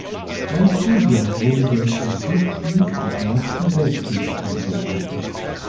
Sein Studium wurde durch den Kriegsdienst im Ersten Weltkrieg unterbrochen.